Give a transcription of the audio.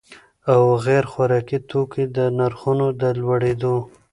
او غیر خوراکي توکو د نرخونو د لوړېدو